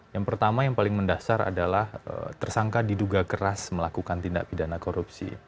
yang pertama yang paling mendasar adalah tersangka diduga keras melakukan tindak pidana korupsi